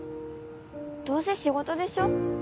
どうせ仕事でしょ？